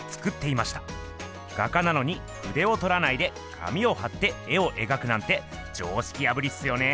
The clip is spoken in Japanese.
画家なのにふでをとらないで紙をはって絵を描くなんて常識破りっすよね。